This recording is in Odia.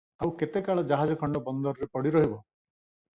ଆଉ କେତେକାଳ ଜାହାଜଖଣ୍ଡ ବନ୍ଦରରେ ପଡ଼ି ରହିବ?